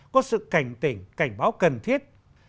có sự cảnh tỉnh cảnh báo cần thiết